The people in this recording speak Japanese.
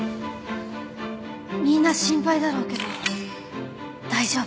みんな心配だろうけど大丈夫。